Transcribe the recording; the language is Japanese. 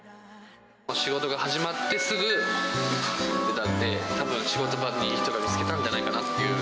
仕事が始まってすぐなんで、たぶん、仕事場にいい人を見つけたんじゃないかなっていう。